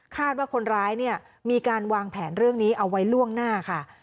ว่าคนร้ายเนี่ยมีการวางแผนเรื่องนี้เอาไว้ล่วงหน้าค่ะ